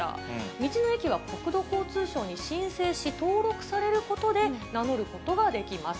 道の駅は、国土交通省に申請し、登録されることで、名乗ることができます。